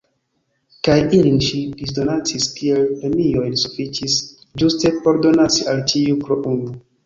Kaj ilin ŝi disdonacis kiel premiojn. Sufiĉis ĝuste por donaci al ĉiuj po unu.